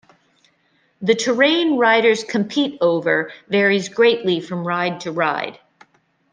The terrain riders compete over varies greatly from ride to ride.